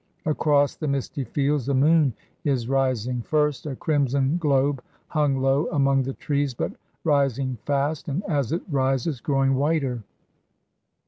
Across the misty fields the moon is rising; first a crimson globe hung low among the trees, but rising fast, and as it rises growing whiter.